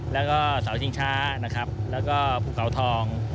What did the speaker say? แล้วก็เสาชิงช้านะครับแล้วก็ภูเขาทอง